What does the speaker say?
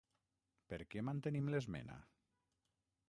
Per què mantenim l'esmena?